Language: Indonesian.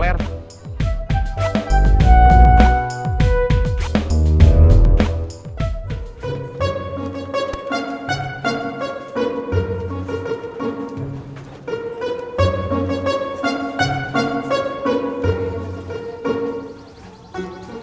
p level berapa ini usia